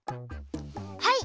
はい！